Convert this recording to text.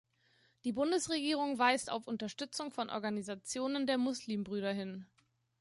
Die Bundesregierung weist auf Unterstützung von Organisationen der Muslimbrüder hin.